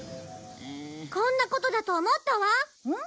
こんなことだと思ったわ。